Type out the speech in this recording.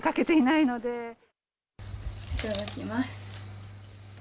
いただきます。